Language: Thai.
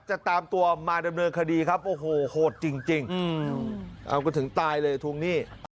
จะตามตัวมาดำเนินคดีครับโอ้โหโหดจริงเอาก็ถึงตายเลยทวงหนี้